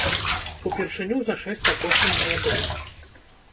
Упершыню за шэсць апошніх гадоў.